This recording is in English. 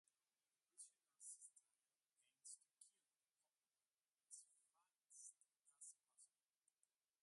The prisoner's style aims to kill the opponent as fast as possible.